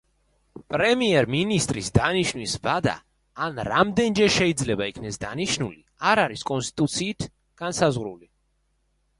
პრემიერ-მინისტრის დანიშვნის ვადა ან რამდენჯერ შეიძლება იქნეს დანიშნული არ არის კონსტიტუციით განსაზღვრული.